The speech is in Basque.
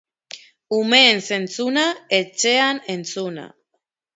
Umeen zentzuna, etxean entzuna.